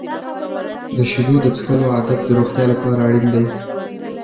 د شیدو د څښلو عادت د روغتیا لپاره اړین دی.